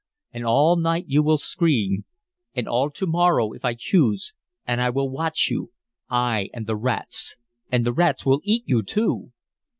And all night you will scream, and all to morrow, if I choose. And I will watch you I and the rats. And the rats will eat you, too!"